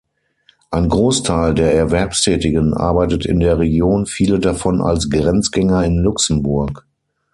Ein Großteil der Erwerbstätigen arbeitet in der Region, viele davon als Grenzgänger in Luxemburg.